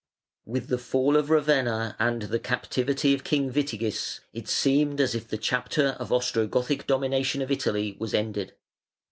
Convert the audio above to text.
With the fall of Ravenna, and the captivity of King Witigis, it seemed as if the chapter of Ostrogothic dominion in Italy was ended.